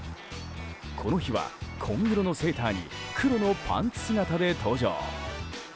この日は紺色のセーターに黒のパンツ姿で登場。